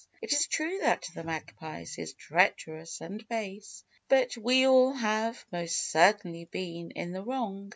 It is true that the Magpie is treacherous and base, But we all have, most certainly, been in the wrong!